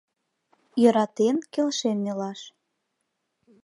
Йӧратен, келшен илаш».